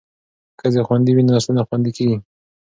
که ښځې خوندي وي نو نسلونه خوندي کیږي.